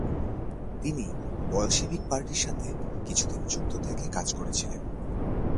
তিনি বলশেভিক পার্টির সাথে কিছুদিন যুক্ত থেকে কাজ করেছিলেন।